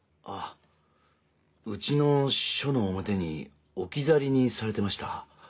あっうちの署の表に置き去りにされてました。